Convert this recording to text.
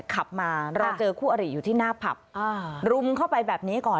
ขับมารอเจอคู่อริอยู่ที่หน้าผับรุมเข้าไปแบบนี้ก่อน